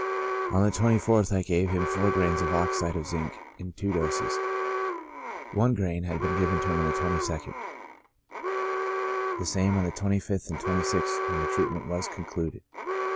On the 24th I gave him four grains of oxide of zinc in two doses, (one grain had been given to him on the 22nd ;) the same on the 25th and the 26th, when the treatment was concluded.